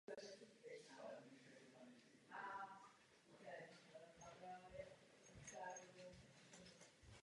Potravina a zelené hnojení.